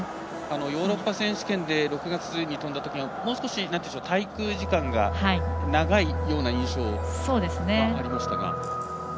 ヨーロッパ選手権で６月末に跳んだときにはもう少し、滞空時間が長いような印象がありましたが。